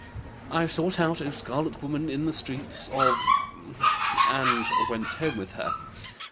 I sought out a scarlet woman in the streets of and went home with her.